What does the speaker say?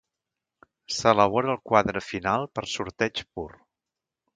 S'elabora el quadre final per sorteig pur.